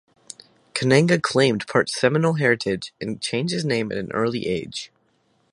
Kananga claimed part Seminole heritage and changed his name at an early age.